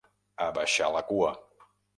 Abaixar la cua.